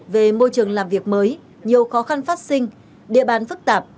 về môi trường làm việc mới nhiều khó khăn phát sinh địa bàn phức tạp